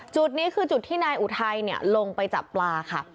จุดนี้คือจุดที่นายอุทัยลงไปจับปลาค่ะ